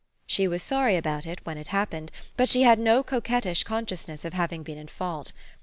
Shb was sorry about it when it happened ; but she had no coquettish conscious ness of having been in fault.